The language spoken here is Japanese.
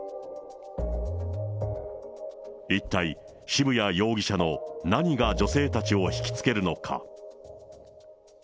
一体、渋谷容疑者の何が女性たちを引き付けるのか。